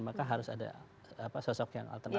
maka harus ada sosok yang alternatif